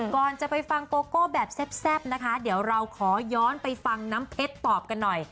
ก่อนจะไปฟังโกโก้แบบแซ่บนะคะเดี๋ยวเราขอย้อนไปฟังน้ำเพชรตอบกันหน่อย